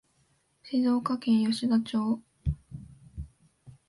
静岡県吉田町